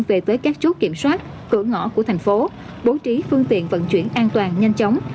về tới các chốt kiểm soát cửa ngõ của thành phố bố trí phương tiện vận chuyển an toàn nhanh chóng